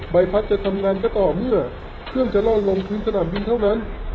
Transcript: ใบพัดจะทำงานก็ต่อเมื่อเครื่องจะล่อนลงพื้นสนามบินเท่านั้น